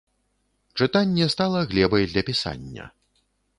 Чытанне стала глебай для пісання.